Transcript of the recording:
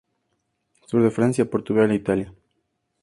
Sur de Francia, Portugal e Italia.